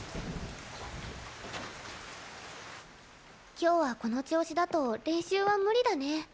今日はこの調子だと練習は無理だね。